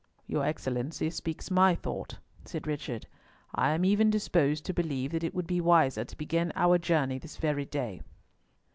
"Your Excellency speaks my thought," said Richard. "I am even disposed to believe that it would be wiser to begin our journey this very day."